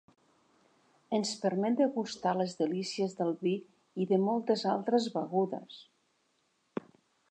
Ens permet degustar les delícies del vi i de moltes altres begudes.